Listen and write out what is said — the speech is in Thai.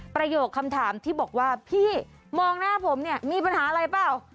ประโยคคำถามที่บอกว่าพี่มองหน้าผมเนี่ยมีปัญหาอะไรเปล่า